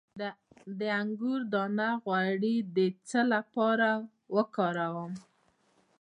د انګور دانه غوړي د څه لپاره وکاروم؟